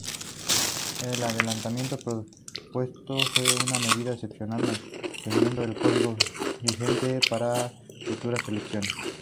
El adelantamiento propuesto fue una medida excepcional, manteniendo al código vigente para futuras elecciones.